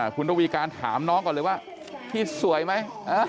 คุณระวีการถามน้องก่อนเลยว่าพี่สวยไหม